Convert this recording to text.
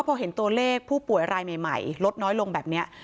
พอเห็นตัวเลขผู้ป่วยรายใหม่ลดน้อยลงแบบนี้